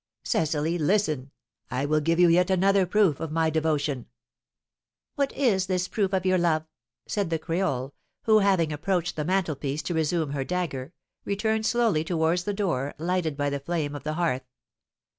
"Cecily, listen! I will give you yet another proof of my devotion." "What is this proof of your love?" said the creole, who, having approached the mantelpiece to resume her dagger, returned slowly towards the door, lighted by the flame of the hearth.